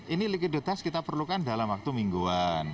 ini likuiditas kita perlukan dalam waktu mingguan